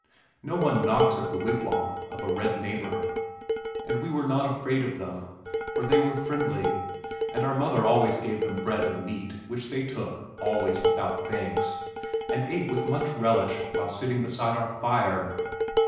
No one knocks at the wigwam of a red neighbor, and we were not afraid of them, for they were friendly, and our mother often gave them bread and meat which they took (always without thanks) and ate with much relish while sitting beside our fire.